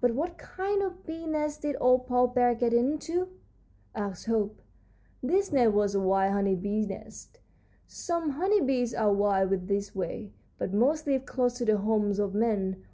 "But what kind of bee's nest did old Paw Bear get into?" asked Hope. "This nest was a wild honey bee's nest. Some honey bees are wild this way, but most live close to the homes of men.